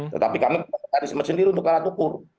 tetapi kami berpikir sendiri untuk alat ukur